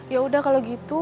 ya udah kalau gitu